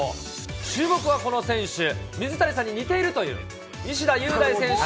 注目はこの選手、水谷さんに似ているという西田優大選手。